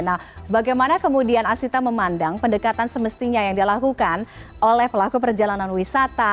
nah bagaimana kemudian asita memandang pendekatan semestinya yang dilakukan oleh pelaku perjalanan wisata